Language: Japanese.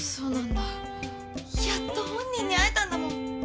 やっと本人に会えたんだもん。